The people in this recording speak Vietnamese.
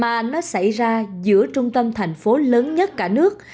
mà nó xảy ra giữa trung tâm thành phố lớn nhất cả nước